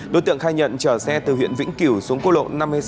đối tượng khai nhận chở xe từ huyện vĩnh cửu xuống cú lộ năm mươi sáu